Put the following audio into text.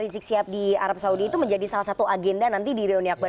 rizik siap di arab saudi itu menjadi salah satu agenda nanti di reuni akbar dua ratus dua belas